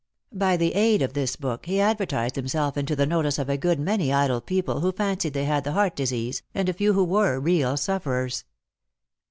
By the aid of this book he advertised himself into the notice of a good many idle people who fancied they had the >/eart disease, and a few who were real sufferers.